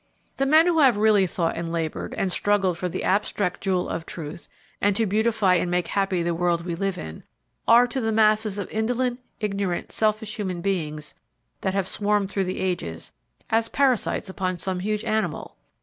The men who have really thought and labored and struggled for the abstract jewel of truth, and to beautify and make happy the world we live in, are, to the masses of indolent, ignorant, selfish human beings that have swarmed through the ages, as parasites upon some huge animal.